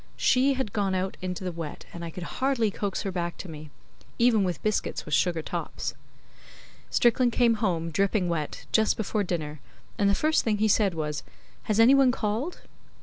She had gone out into the wet, and I could hardly coax her back to me; even with biscuits with sugar tops. Strickland came home, dripping wet, just before dinner, and the first thing he said was. 'Has any one called?